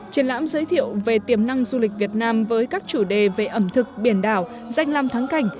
triển lãm giới thiệu về tiềm năng du lịch việt nam với các chủ đề về ẩm thực biển đảo danh làm thắng cảnh